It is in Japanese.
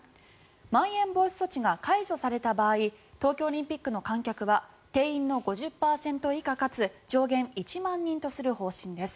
まん延防止措置が解除された場合東京オリンピックの観客は定員の５０％以下かつ上限１万人とする方針です。